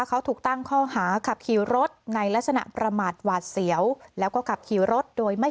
เขาถูกตั้งข้อหาขับขี่รถในลักษณะประมาทหวาดเสียวแล้วก็ขับขี่รถโดยไม่